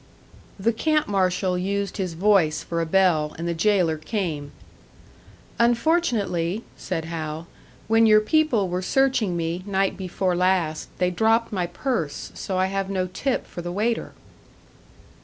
The camp marshal used his voice for a bell, and the jailer came. "Unfortunately," said Hal, "when your people were searching me, night before last, they dropped my purse, so I have no tip for the waiter."